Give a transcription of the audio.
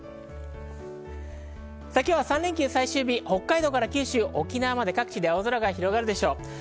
今日は３連休最終日、北海道から沖縄まで各地で青空が広がるでしょう。